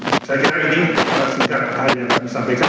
saya kira ini adalah sekian hal yang kami sampaikan